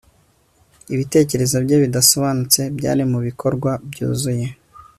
Ibitekerezo bye bidasobanutse byari mubikorwa byuzuye